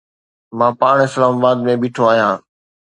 مان پاڻ اسلام آباد ۾ بيٺو آهيان